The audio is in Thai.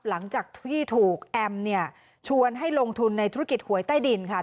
หลังจากที่ถูกแอมเนี่ยชวนให้ลงทุนในธุรกิจหวยใต้ดินค่ะ